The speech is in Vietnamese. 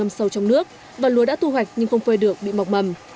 nó bị ngâm sâu trong nước và lúa đã thu hoạch nhưng không phơi được bị mọc mầm